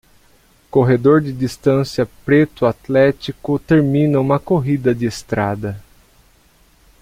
Corredor de distância preto atlético termina uma corrida de estrada